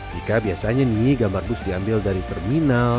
jika biasanya nih gambar bus diambil dari terminal